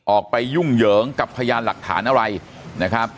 ไปยุ่งเหยิงกับพยานหลักฐานอะไรนะครับ